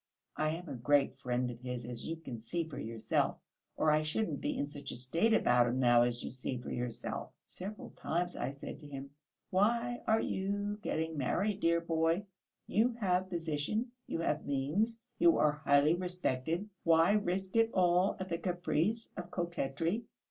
I am a great friend of his, as you can see for yourself, or I shouldn't be in such a state about him now as you see for yourself. Several times I said to him: 'Why are you getting married, dear boy? You have position, you have means, you are highly respected. Why risk it all at the caprice of coquetry?